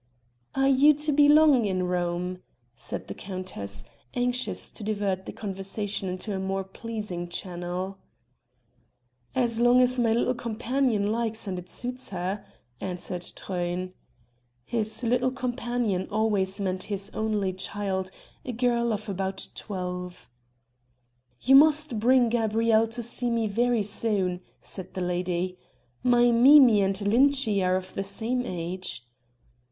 "Are you to be long in Rome?" said the countess, anxious to divert the conversation into a more pleasing channel. "As long as my little companion likes and it suits her," answered Truyn. His 'little companion' always meant his only child, a girl of about twelve. "You must bring Gabrielle to see me very soon," said the lady. "My Mimi and Lintschi are of the same age."